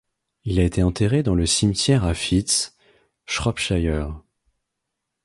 Il a été enterré dans le cimetière à Fitz, Shropshire.